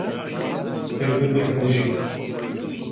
Tu yê bibêhnijî.